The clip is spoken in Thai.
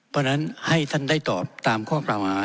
เพราะฉะนั้นให้ท่านได้ตอบตามข้อกล่าวหา